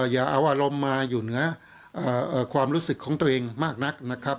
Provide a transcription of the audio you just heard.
อย่าเอาอารมณ์มาอยู่เหนือความรู้สึกของตัวเองมากนักนะครับ